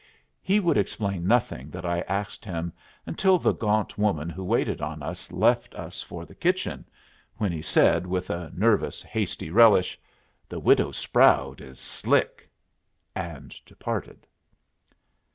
He would explain nothing that I asked him until the gaunt woman who waited on us left us for the kitchen, when he said, with a nervous, hasty relish, "The Widow Sproud is slick," and departed.